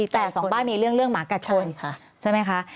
แต่สองบ้านมีเรื่องหมากัดชนใช่ไหมคะ